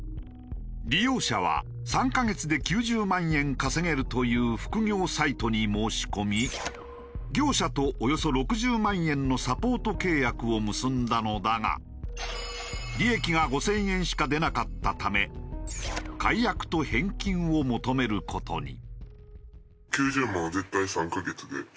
利用者は３カ月で９０万円稼げるという副業サイトに申し込み業者とおよそ６０万円のサポート契約を結んだのだが利益が５０００円しか出なかったため解約と返金を求める事に。